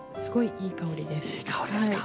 いい香りですか。